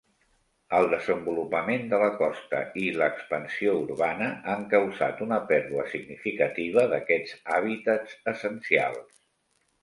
El desenvolupament de la costa i l'expansió urbana han causat una pèrdua significativa d'aquests hàbitats essencials.